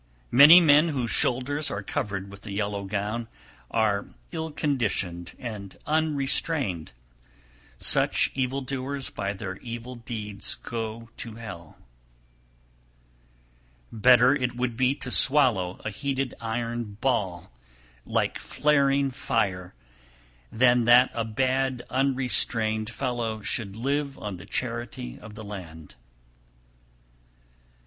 307. Many men whose shoulders are covered with the yellow gown are ill conditioned and unrestrained; such evil doers by their evil deeds go to hell. 308. Better it would be to swallow a heated iron ball, like flaring fire, than that a bad unrestrained fellow should live on the charity of the land.